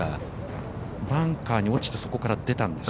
バンカーに落ちて、そこから出たんです。